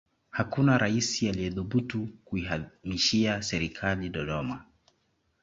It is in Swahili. hakuna raisi aliyethubutu kuihamishia serikali dodoma